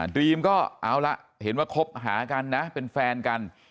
รีมก็เอาละเห็นว่าคบหากันนะเป็นแฟนกัน